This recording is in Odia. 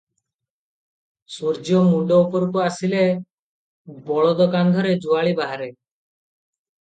ସୂର୍ଯ୍ୟ ମୁଣ୍ତ ଉପରକୁ ଆସିଲେ ବଳଦ କାନ୍ଧରେ ଯୁଆଳି ବାହାରେ ।